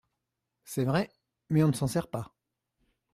C’est vrai ! mais on ne s’en sert pas…